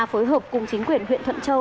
phối hợp cùng chính quyền huyện thuận châu